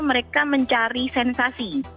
mereka mencari sensasi